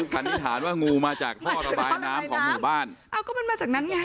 สันนิษฐานว่างูมาจากท่อระบายน้ำของหมู่บ้านอ้าวก็มันมาจากนั้นไง